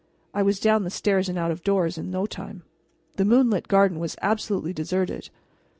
I was down the stairs and out of doors in no time. The moonlit garden was absolutely deserted.